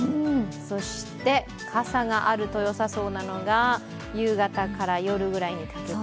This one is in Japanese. そして、傘があるとよさそうなのが夕方から夜ぐらいにかけて。